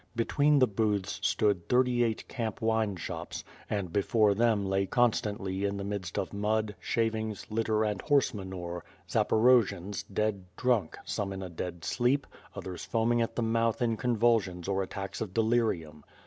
Between the booths, s' od thirty eight camp wine shops, and, before them lay constantly in the niid»st of mud, shavings, litter, and horse manure, Zaporojians, dt^ad drunk, some in a deep sleep, others foaming at the moutli in convulsions or attacks of de lirium.